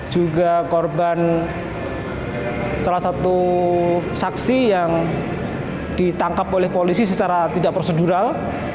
juga korban salah satu saksi yang ditangkap oleh polisi secara tidak prosedural